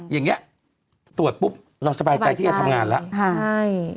อย่างนี้ตรวจปุ๊บเราสบายใจที่จะทำงานแล้ว